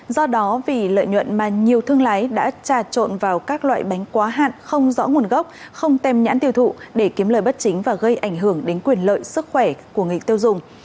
do đó vì lợi nhuận mà nhiều thương lái đã trà trộn vào các loại bánh quá hạn không rõ nguồn gốc không tem nhãn tiêu thụ để kiếm lời bất chính và gây ảnh hưởng đến quyền lợi sức khỏe của người tiêu dùng